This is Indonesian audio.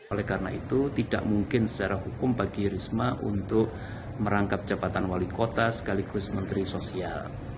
oleh karena itu tidak mungkin secara hukum bagi risma untuk merangkap jabatan wali kota sekaligus menteri sosial